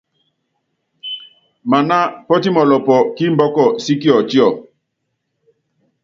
Maná pɔ́timɔlɔpɔ́ kí imbɔ́kɔ sí Kiɔtíɔ.